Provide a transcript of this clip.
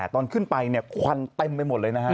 ตอนขึ้นไปควันเต็มไปหมดเลยนะฮะ